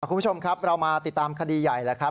คุณผู้ชมครับเรามาติดตามคดีใหญ่แล้วครับ